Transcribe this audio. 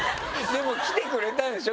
でも来てくれたんでしょ？